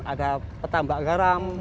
ada petambak garam